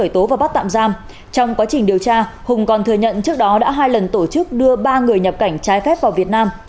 trong quá trình điều tra hùng còn thừa nhận trước đó đã hai lần tổ chức đưa ba người nhập cảnh trái phép vào việt nam